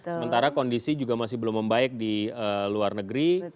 sementara kondisi juga masih belum membaik di luar negeri